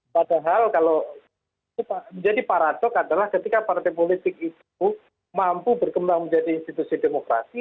padahal kalau jadi paradoks adalah ketika partai politik itu mampu berkembang menjadi institusi demokratis